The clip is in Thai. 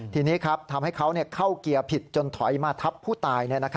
ทีนี้ครับทำให้เขาเข้าเกียร์ผิดจนถอยมาทับผู้ตาย